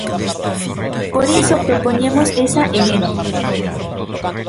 Por iso propoñemos esa emenda.